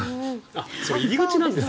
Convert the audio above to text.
それ、入り口なんですね。